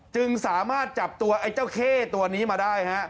จึงสามารถจับตัวไอ้เจ้าเข้ตัวนี้มาได้ฮะ